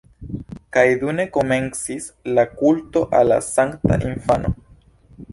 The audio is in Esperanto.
Kaj dume komencis la kulto al la sankta infano.